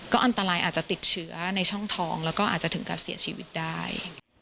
อันตรายอาจจะติดเชื้อในช่องท้องแล้วก็อาจจะถึงกับเสียชีวิตได้